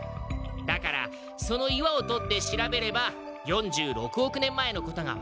だからその岩をとって調べれば４６億年前のことがわかるんだ！